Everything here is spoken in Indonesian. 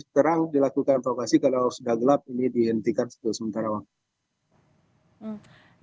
terang dilakukan evakuasi kalau sudah gelap ini dihentikan sementara waktu